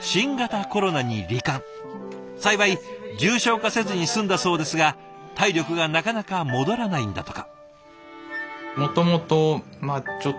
幸い重症化せずに済んだそうですが体力がなかなか戻らないんだとか。